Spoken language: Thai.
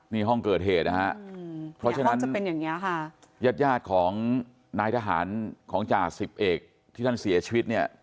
นี่ห้องเกิดเหตุนะคะเพราะฉะนั้นยาดของนายทหารของจ่า๑๑ที่ท่านเสียชีวิตเนี่ย